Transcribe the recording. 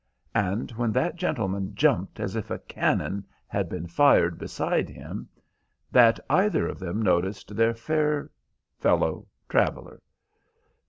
and when that gentleman jumped as if a cannon had been fired beside him, that either of them noticed their fair fellow traveller.